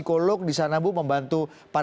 juga pada umumnya